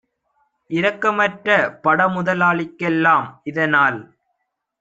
இரக்கமற்ற படமுதலா ளிக்கெல்லாம் இதனால்